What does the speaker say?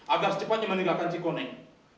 agar secepatnya meninggalkan cik koneng